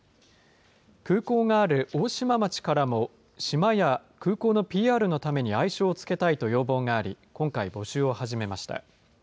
空港がある大島町からも島や空港のＰＲのために愛称を付けたいと要望があり、今回、募集を始めました。